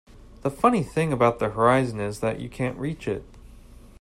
The funny thing about the horizon is that you can't reach it.